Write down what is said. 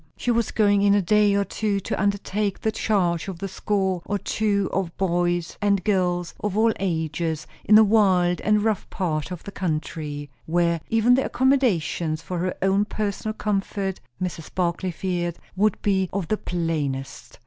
She was going in a day or two to undertake the charge of a score or two of boys and girls, of all ages, in a wild and rough part of the country; where even the accommodations for her own personal comfort, Mrs. Barclay feared, would be of the plainest.